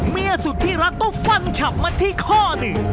เมียสุดที่รักก็ฟันฉับมาที่ข้อหนึ่ง